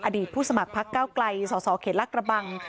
อดีตผู้สมัครพักเก้าไกลส่อเขตรรักระบัง